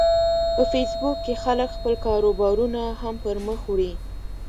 په فېسبوک کې خلک خپل کاروبارونه هم پرمخ وړي